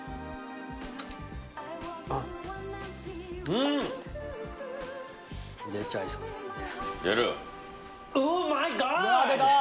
うん！出ちゃいそうですね。